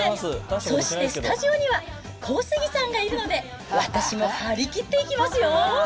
そしてスタジオには、小杉さんがいるので、私も張り切っていきますよ。